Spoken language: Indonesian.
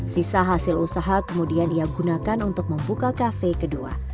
sisa hasil usaha kemudian ia gunakan untuk membuka kafe kedua